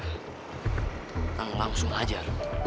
kita langsung ajar